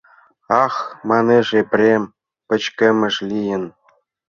— Ах, — манеш Епрем, — пычкемыш лийын.